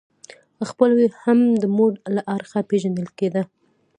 خپلوي هم د مور له اړخه پیژندل کیده.